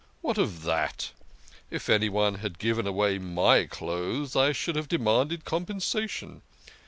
" What of that ? If anyone had given away my clothes, I should have demanded compensation.